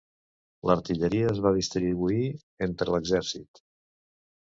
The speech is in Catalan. L'artilleria es va distribuir entre l'exèrcit.